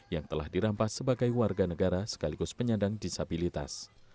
yang telah dirampas sebagai warga negara sekaligus penyandang disabilitas